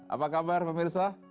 apa kabar pemirsa